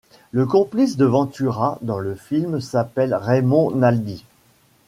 Le complice de Ventura dans le film s’appelle Raymond Naldi.